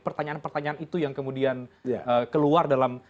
pertanyaan pertanyaan itu yang kemudian keluar dalam